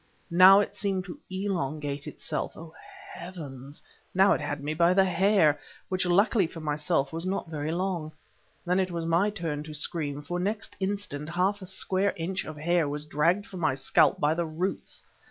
Now it seemed to elongate itself. Oh, heavens! now it had me by the hair, which, luckily for myself, was not very long. Then it was my turn to scream, for next instant half a square inch of hair was dragged from my scalp by the roots.